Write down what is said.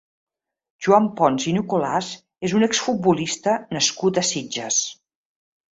Joan Pons i Nicolàs és un exfutbolista nascut a Sitges.